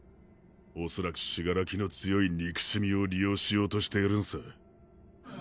恐らく死柄木の強い憎しみを利用しようとしているんさ。